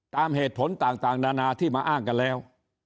ตามเหตุผลต่างนานาที่มาอ้างกันแล้ว